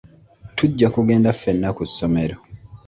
Tujja kugenda ffenna ku ssomero.